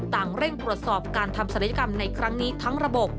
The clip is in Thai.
เร่งตรวจสอบการทำศัลยกรรมในครั้งนี้ทั้งระบบ